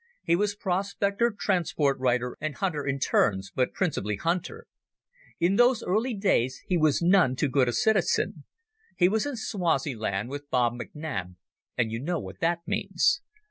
He was prospector, transport rider, and hunter in turns, but principally hunter. In those early days he was none too good a citizen. He was in Swaziland with Bob Macnab, and you know what that means.